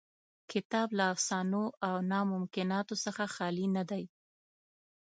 کتاب له افسانو او ناممکناتو څخه خالي نه دی.